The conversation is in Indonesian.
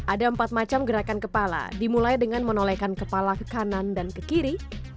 ada empat macam gerakan kepala dimulai dengan menolehkan kepala ke kanan dan ke kiri